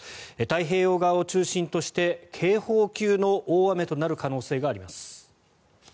太平洋側を中心として警報級の大雨となる可能性があります。